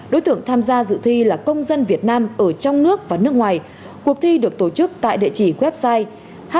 đối tượng tham gia dự thi là công dân việt nam ở trong nước và nước ngoài cuộc thi được tổ chức tại địa chỉ website